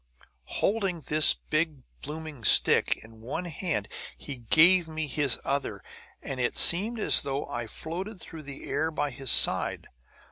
"Holding this big blooming stick in one hand, he gave me his other; and it seemed as though I floated through the air by his side.